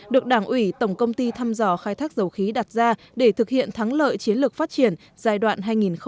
được đảng ủy tổng công ty thăm dò khai thác dầu khí đặt ra để thực hiện thắng lợi chiến lược phát triển giai đoạn hai nghìn hai mươi một hai nghìn ba mươi